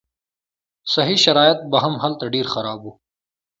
صحي شرایط به هم هلته ډېر خراب وو.